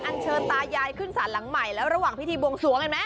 เชิญตายายขึ้นสารหลังใหม่แล้วระหว่างพิธีบวงสวงเห็นไหม